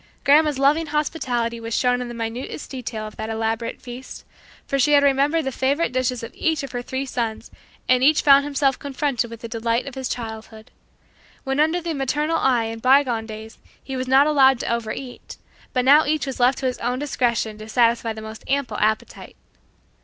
Grandma's loving hospitality was shown in the minutest details of that elaborate feast; for she had remembered the favorite dishes of each one of her three sons and each found himself confronted with the delight of his childhood. When under the maternal eye in bygone days, he was not allowed to overeat; but now each was left to his own discretion to satisfy the most ample appetite.